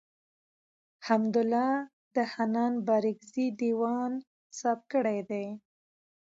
حمدالله د حنان بارکزي دېوان څاپ کړی دﺉ.